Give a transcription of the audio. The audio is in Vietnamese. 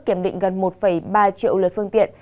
kiểm định gần một ba triệu lượt phương tiện